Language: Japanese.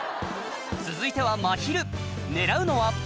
続いてはまひる狙うのは？